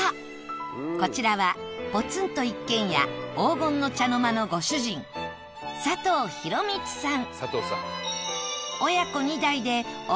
こちらはポツンと一軒家黄金の茶の間のご主人佐藤浩光さん